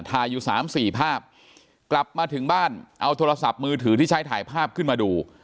อยู่สามสี่ภาพกลับมาถึงบ้านเอาโทรศัพท์มือถือที่ใช้ถ่ายภาพขึ้นมาดู